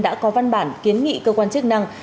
đã có văn bản kiến nghị cơ quan chức năng